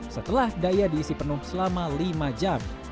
setelah daya diisi penuh selama lima jam